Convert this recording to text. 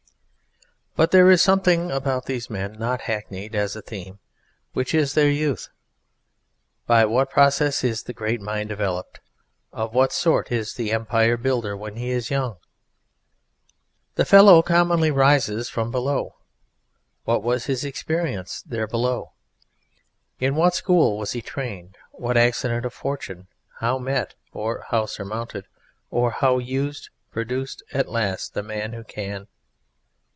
But there is something about these men not hackneyed as a theme, which is their youth. By what process is the great mind developed? Of what sort is the Empire Builder when he is young? The fellow commonly rises from below: What was his experience there below? In what school was he trained? What accident of fortune, how met, or how surmounted, or how used, produced at last the Man who Can?